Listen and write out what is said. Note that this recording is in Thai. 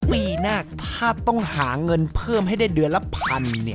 ปีหน้าถ้าต้องหาเงินเพิ่มให้ได้เดือนละพัน